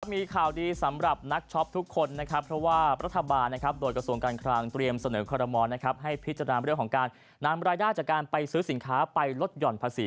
มีข่าวดีสำหรับนักช็อปทุกคนนะครับเพราะว่ารัฐบาลนะครับโดยกระทรวงการคลังเตรียมเสนอคอรมอลให้พิจารณาเรื่องของการนำรายได้จากการไปซื้อสินค้าไปลดหย่อนภาษี